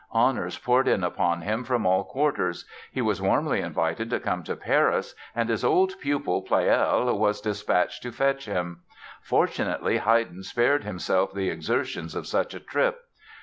Honors poured in upon him from all quarters. He was warmly invited to come to Paris and his old pupil, Pleyel, was dispatched to fetch him. Fortunately, Haydn spared himself the exertions of such a trip.